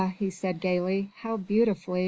he said gaily, "how beautifully M.